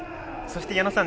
矢野さん